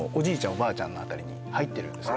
おばあちゃんの辺りに入ってるんですよ